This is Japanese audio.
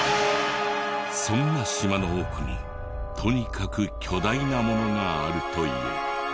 そんな島の奥にとにかく巨大なものがあるという。